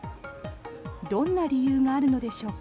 どんな理由があるのでしょうか。